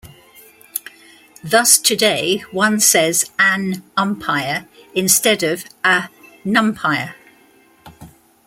Thus today one says "an umpire" instead of "a numpire".